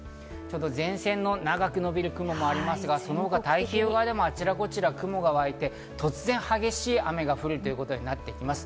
前線の長く伸びる雲がありますが、そのほうが太平洋側でもあちらこちら雲がわいて、突然激しい雨が降るということになってきます。